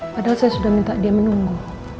padahal saya sudah minta dia menunggu